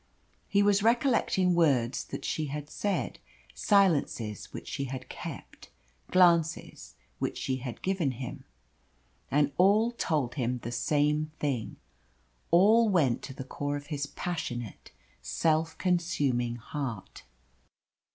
He was recollecting words that she had said, silences which she had kept, glances which she had given him. And all told him the same thing. All went to the core of his passionate, self consuming heart.